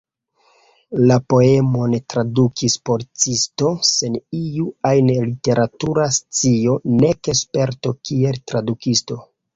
La poemon tradukis policisto sen iu ajn literatura scio nek sperto kiel tradukisto.